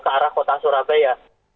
ke arah kota surabaya